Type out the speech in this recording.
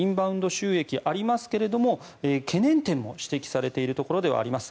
収益ありますが懸念点も指摘されているところではあります。